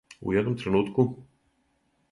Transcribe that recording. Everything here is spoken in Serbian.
У једном тренутку.